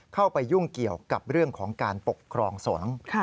เข้าไปยุ่งเกี่ยวกับเรื่องของการปกครองสงฆ์